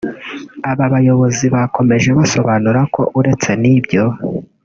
Aba bayobozi bakomeje basobanura ko uretse n’ibyo